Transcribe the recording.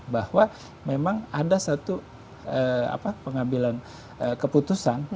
bahwa memang ada satu pengambilan keputusan